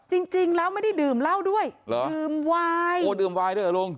จริงจริงแล้วไม่ได้ดื่มเหล้าด้วยเหรอดื่มวายโอ้ดื่มวายด้วยเหรอลุง